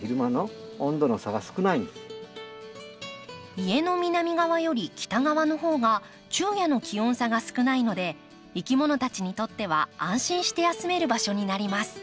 家の南側より北側の方が昼夜の気温差が少ないのでいきものたちにとっては安心して休める場所になります。